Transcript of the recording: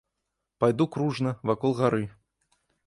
Пайду кружна, вакол гары.